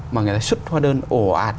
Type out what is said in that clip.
mà người ta xuất hoa đơn ổ ạt